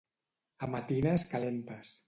A matines calentes.